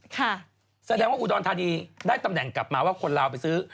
แสดงว่าอุดรธานีได้ตำแหน่งกลับมาว่าคนลาวไปซื้อ